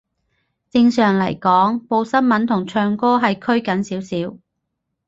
正常嚟講，報新聞同唱歌係拘謹少少